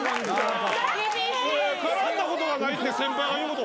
絡んだことがないって先輩が言うこと。